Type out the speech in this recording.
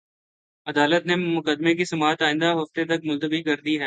عدالت نے مقدمے کی سماعت آئندہ ہفتے تک ملتوی کر دی ہے